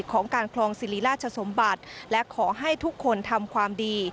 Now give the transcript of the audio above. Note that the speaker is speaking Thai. ของการคลองสิริราชสมบัติและขอให้ทุกคนทำความดี